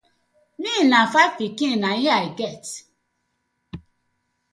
Mi na fiv pikin na it me I get.